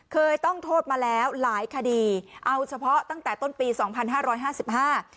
เคยต้องโทษมาแล้วหลายคดีเอาเฉพาะตั้งแต่ต้นปีสองพันห้าร้อยห้าสิบห้า